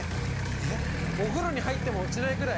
えっお風呂に入っても落ちないぐらい？